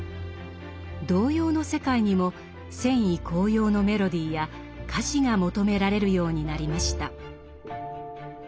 童謡の世界にも戦意高揚のメロディーや歌詞が求められるようになりました。